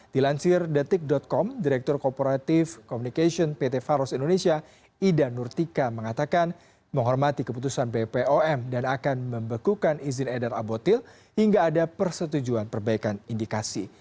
dilansir detik com direktur cooperatif communication pt faros indonesia ida nurtika mengatakan menghormati keputusan bpom dan akan membekukan izin edar albotil hingga ada persetujuan perbaikan indikasi